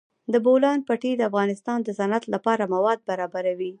د بولان پټي د افغانستان د صنعت لپاره مواد برابروي.